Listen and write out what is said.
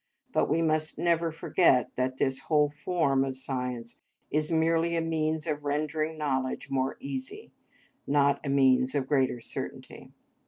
But we must never forget that this whole form of science is merely a means of rendering knowledge more easy, not a means to greater certainty.